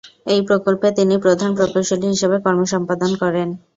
এই প্রকল্পে তিনি প্রধান প্রকৌশলী হিসেবে কর্ম সম্পাদন করেন।